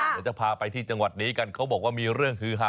เดี๋ยวจะพาไปที่จังหวัดนี้กันเขาบอกว่ามีเรื่องฮือฮา